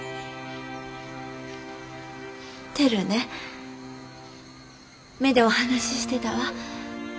テルね目でお話ししてたわ。